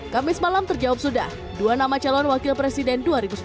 kamis malam terjawab sudah dua nama calon wakil presiden dua ribu sembilan belas